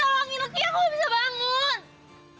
au luki tolong luki aku gak bisa bangun